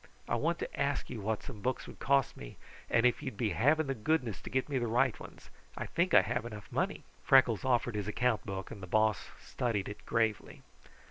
I wanted to ask you what some books would cost me, and if you'd be having the goodness to get me the right ones. I think I have enough money." Freckles offered his account book and the Boss studied it gravely.